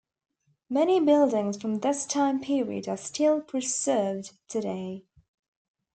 Many buildings from this time period are still preserved today.